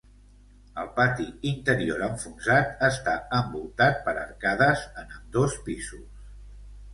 El pati interior enfonsat està envoltat per arcades en ambdós pisos.